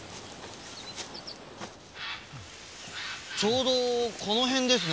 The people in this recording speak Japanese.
ちょうどこの辺ですね。